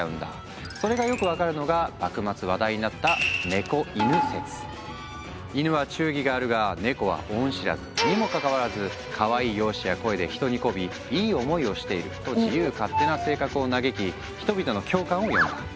それがよく分かるのが幕末話題になった「イヌは忠義があるがネコは恩知らずにもかかわらずかわいい容姿や声で人にこびいい思いをしている」と自由勝手な性格を嘆き人々の共感を呼んだ。